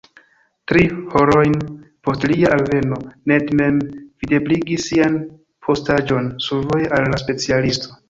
Tri horojn post lia alveno, Ned mem videbligis sian postaĵon survoje al la specialisto.